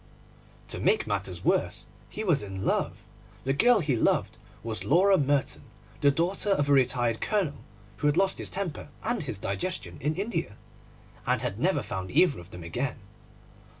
To make matters worse, he was in love. The girl he loved was Laura Merton, the daughter of a retired Colonel who had lost his temper and his digestion in India, and had never found either of them again.